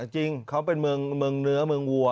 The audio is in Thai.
จริงเขาเป็นเมืองเนื้อเมืองวัว